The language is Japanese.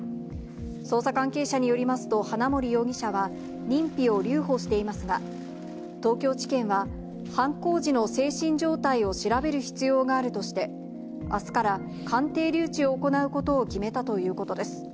捜査関係者によりますと、花森容疑者は、認否を留保していますが、東京地検は、犯行時の精神状態を調べる必要があるとして、あすから鑑定留置を行うことを決めたということです。